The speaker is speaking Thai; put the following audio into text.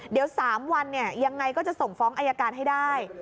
เดี๋ยว๓วันยังไงก็จะส่งฟ้องอายการให้ได้